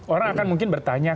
orang akan mungkin bertanya